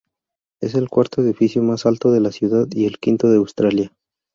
Es el cuarto edificio más alto de la ciudad y el quinto de Australia.